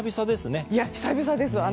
久々ですね。